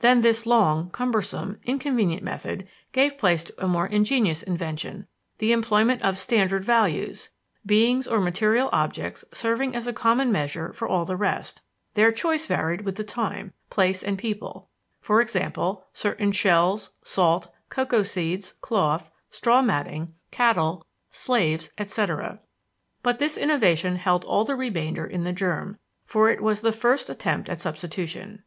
Then this long, cumbersome, inconvenient method gave place to a more ingenious invention the employment of "standard values," beings or material objects serving as a common measure for all the rest: their choice varied with the time, place, and people e.g., certain shells, salt, cocoa seeds, cloth, straw matting, cattle, slaves, etc.; but this innovation held all the remainder in the germ, for it was the first attempt at substitution.